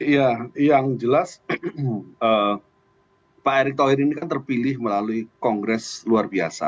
ya yang jelas pak erick thohir ini kan terpilih melalui kongres luar biasa